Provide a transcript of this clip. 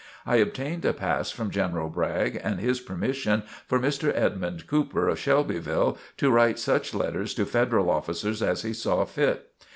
I obtained a pass from General Bragg and his permission for Mr. Edmund Cooper, of Shelbyville, to write such letters to Federal officers as he saw fit.